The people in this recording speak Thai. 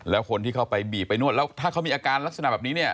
แล้วคนที่เข้าไปบีบไปนวดแล้วถ้าเขามีอาการลักษณะแบบนี้เนี่ย